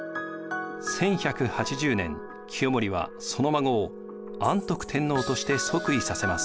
１１８０年清盛はその孫を安徳天皇として即位させます。